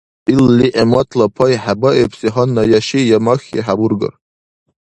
Ил лигӀматла пай хӀебаибси гьанна я ши, я махьи хӀебургар.